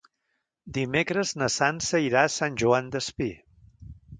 Dimecres na Sança irà a Sant Joan Despí.